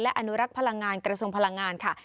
อนุรักษ์พลังงานกระทรวงพลังงานค่ะ